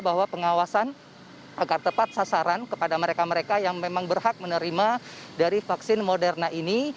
bahwa pengawasan agar tepat sasaran kepada mereka mereka yang memang berhak menerima dari vaksin moderna ini